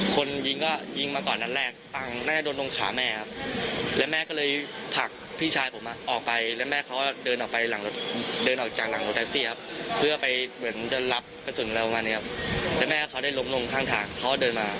คนยิงก็ยิงมาก่อนอันแรกตั้งน่าจะโดนตรงขาแม่ครับ